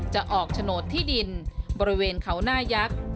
จะออกโฉนดที่ดินบริเวณเขาหน้ายักษ์